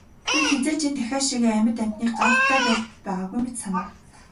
Тэр хэзээ ч энэ тахиа шигээ амьд амьтныг гартаа барьж байгаагүй мэт санав.